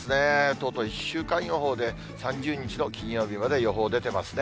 とうとう１週間予報で３０日の金曜日まで予報出てますね。